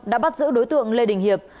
đã bắt giữ đối tượng lê đình hiệp